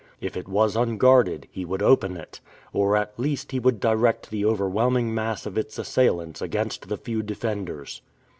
If it was unguarded, he would open it; or at least he would direct the overwhelming mass of its assailants against the few defenders.